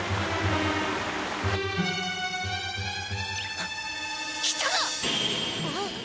あっ来た！